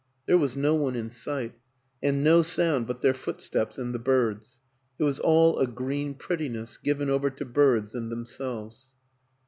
There was no one in sight and no sound but their foot steps and the birds; it was all a green prettiness given over to birds and themselves.